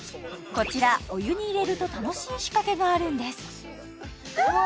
こちらお湯に入れると楽しい仕掛けがあるんですうわ